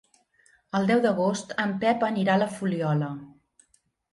El deu d'agost en Pep anirà a la Fuliola.